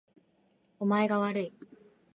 お前がわるい